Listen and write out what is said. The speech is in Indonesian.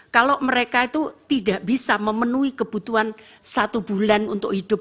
kalau mereka itu tidak bisa memenuhi kebutuhan satu bulan untuk hidup